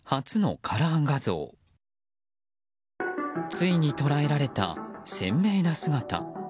ついに捉えられた鮮明な姿。